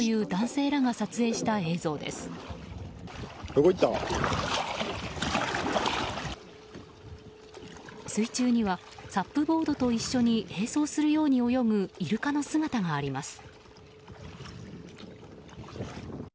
水中にはサップボードと一緒に並走するように泳ぐイルカの姿があります。